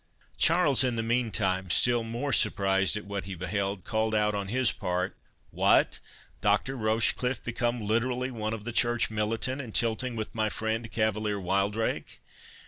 Charles in the meantime, still more surprised at what he beheld, called out on his part—"What! Doctor Rochecliffe become literally one of the church militant, and tilting with my friend cavalier Wildrake?